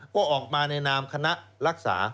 ก็ออกมาในนามคณะรักษา